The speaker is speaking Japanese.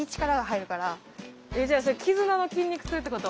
えじゃあそれ絆の筋肉痛ってこと？